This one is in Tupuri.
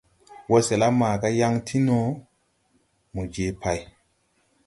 Wɔsɛla maaga yaŋ ti no, mo je pay.